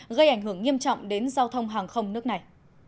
gây ảnh hưởng nghiêm trọng đến giao thông hàng không nước này